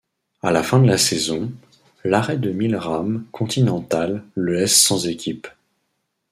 À la fin de la saison, l'arrêt de Milram Continental le laisse sans équipe.